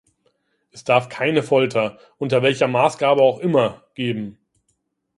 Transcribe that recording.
Es darf keine Folter, unter welcher Maßgabe auch immer, geben.